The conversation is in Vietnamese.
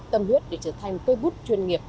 tâm huyết để trở thành cây bút chuyên nghiệp